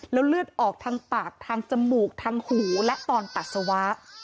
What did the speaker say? แล้วเลือดออกทางปากทางจมูกทางหูและตอนปัสสาวะ